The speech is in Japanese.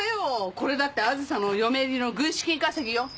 これだってあずさの嫁入りの軍資金稼ぎよ。